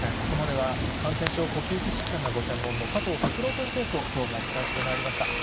ここまでは、感染症、呼吸器疾患がご専門の加藤哲朗先生ときょうもお伝えしてまいりました。